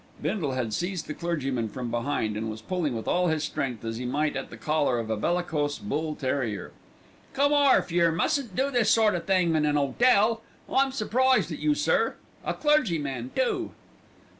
Bindle had seized the clergyman from behind, and was pulling with all his strength as he might at the collar of a bellicose bull terrier. "Come orf, yer mustn't do this sort o' thing in an 'otel. I'm surprised at you, sir, a clergyman too."